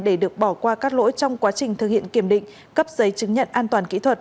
để được bỏ qua các lỗi trong quá trình thực hiện kiểm định cấp giấy chứng nhận an toàn kỹ thuật